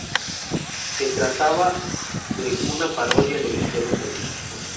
Se trataba de una parodia de los Juegos Olímpicos.